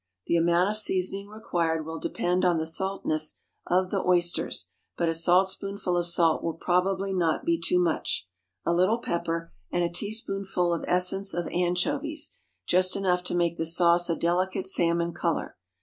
The amount of seasoning required will depend on the saltness of the oysters, but a saltspoonful of salt will probably not be too much, a little pepper, and a teaspoonful of essence of anchovies just enough to make the sauce a delicate salmon color.